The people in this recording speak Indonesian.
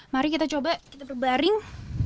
mari kita coba kita berbaring